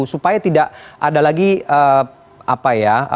supaya tidak ada lagi apa ya